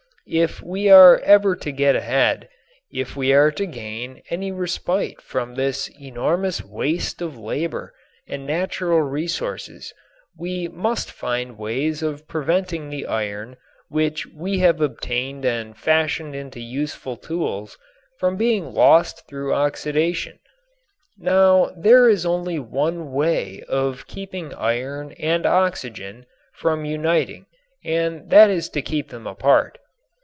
If we are ever to get ahead, if we are to gain any respite from this enormous waste of labor and natural resources, we must find ways of preventing the iron which we have obtained and fashioned into useful tools from being lost through oxidation. Now there is only one way of keeping iron and oxygen from uniting and that is to keep them apart.